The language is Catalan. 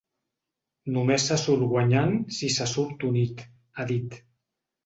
Només se surt guanyant si se surt unit, ha dit.